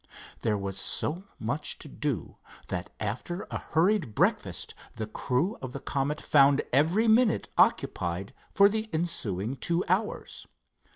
There was so much to do, that after a hurried breakfast the crew of the Comet found every minute occupied for the ensuing two hours.